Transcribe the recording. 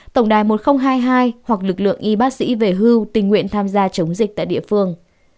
tổng đài một nghìn hai mươi hai hoặc lực lượng y bác sĩ về hưu tình nguyện tham gia chống dịch tại địa phương